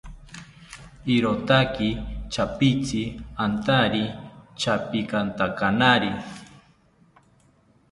Irotaki chapitzi antari chapikantanari